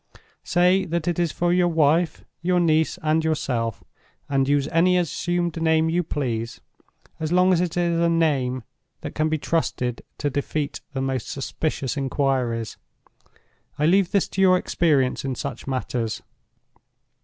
Say that it is for your wife, your niece, and yourself, and use any assumed name you please, as long as it is a name that can be trusted to defeat the most suspicious inquiries. I leave this to your experience in such matters.